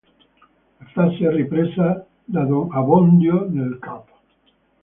La frase è ripresa da don Abbondio nel cap.